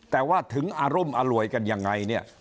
แต่ว่าถึงอารุมอร่วยกันยังไงเนี่ย